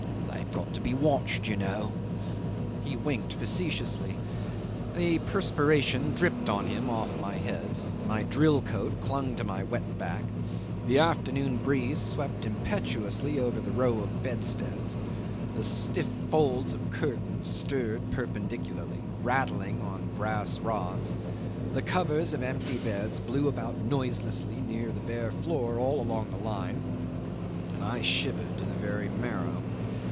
They've got to be watched, you know." He winked facetiously. The perspiration dripped on him off my head, my drill coat clung to my wet back: the afternoon breeze swept impetuously over the row of bedsteads, the stiff folds of curtains stirred perpendicularly, rattling on brass rods, the covers of empty beds blew about noiselessly near the bare floor all along the line, and I shivered to the very marrow.